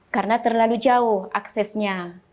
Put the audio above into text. karena terlalu jauh aksesnya